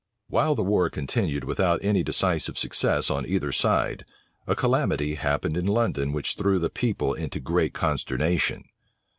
While the war continued without any decisive success on either side, a calamity happened in London which threw the people into great consternation.